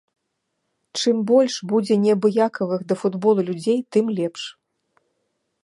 Чым больш будзе неабыякавых да футболу людзей, тым лепш.